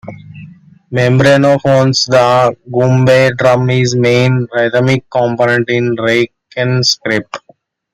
Membranophones: The Goombay drum is main rhythmic component in rake-n-scrape.